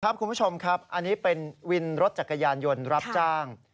คุณผู้ชมครับอันนี้เป็นวินรถจักรยานยนต์รับจ้าง